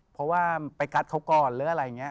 เพราะว่าไปกัดเขาก่อนแบบนี้